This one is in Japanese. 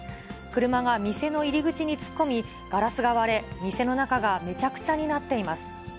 車が店の入り口に突っ込み、ガラスが割れ、店の中がめちゃくちゃになっています。